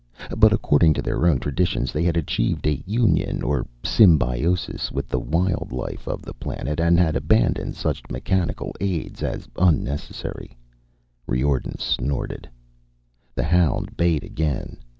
But according to their own traditions they had achieved a union or symbiosis with the wild life of the planet and had abandoned such mechanical aids as unnecessary. Riordan snorted. The hound bayed again.